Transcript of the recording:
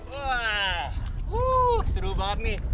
wah seru banget nih